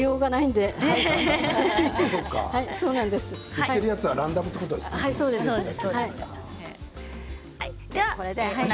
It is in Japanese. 売っているものはランダムということなんですね。